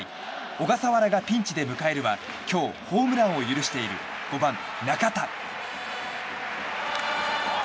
小笠原はピンチで迎えるは今日ホームランを許している５番、中田。